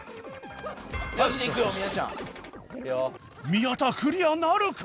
宮田クリアなるか？